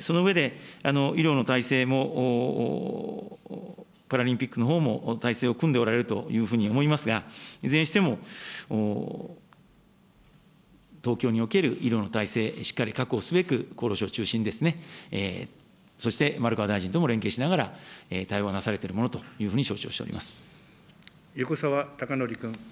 その上で医療の体制もパラリンピックのほうも体制を組んでおられるというふうに思いますが、いずれにしても東京における医療の体制、しっかり確保すべく、厚労省を中心にですね、そして丸川大臣とも連携しながら、対応がなされ横澤高徳君。